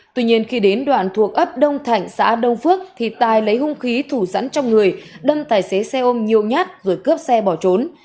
tuy nhiên khi đến đoạn thuộc ấp đông thạnh xã đông phước thì tài lấy hung khí thủ sẵn trong người đâm tài xế xe ôm nhiều nhát rồi cướp xe bỏ trốn